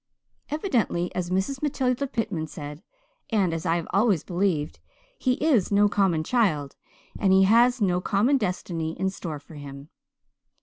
"Evidently, as Mrs. Matilda Pitman said, and as I have always believed, he is no common child and he has no common destiny in store for him.